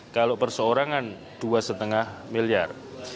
kalau perseorangan dua lima miliar